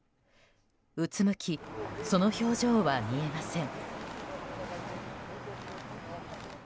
うつむきその表情は見えません。